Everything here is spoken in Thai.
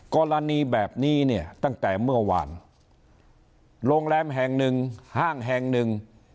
กรณีแบบนี้เนี่ยตั้งแต่เมื่อวานโรงแรมแห่งหนึ่งห้างแห่งหนึ่ง